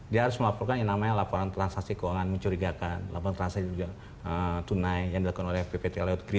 dia harus melaporkan yang namanya laporan transaksi keuangan mencurigakan laporan transaksi tunai yang dilakukan ppatk lewat kredit promosi persat